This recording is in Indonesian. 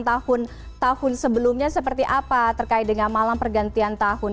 tahun tahun sebelumnya seperti apa terkait dengan malam pergantian tahun